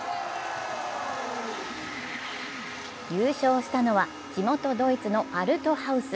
優勝したのは地元ドイツのアルトハウス。